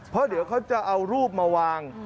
เพราะเดี๋ยวเขาจะเอารูปมาวาง